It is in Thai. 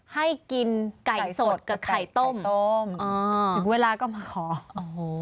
ให้กินไก่สดกับไข่ต้มต้มอ่าถึงเวลาก็มาขอโอ้โห